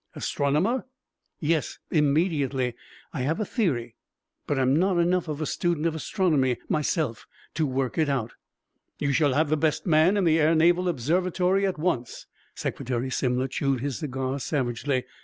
"Astronomer?" "Yes immediately. I have a theory, but am not enough of a student of astronomy myself to work it out." "You shall have the best man in the Air Naval Observatory at once." Secretary Simler chewed his cigar savagely.